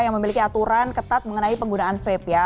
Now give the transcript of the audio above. yang memiliki aturan ketat mengenai penggunaan vape ya